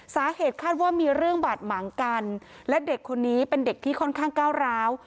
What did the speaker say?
สาเหตุคาดว่ามีเรื่องบาดหมางกันและเด็กคนนี้เป็นเด็กที่ค่อนข้างก้าวร้าว